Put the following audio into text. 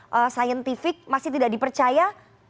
nah siapa yang bisa dipercaya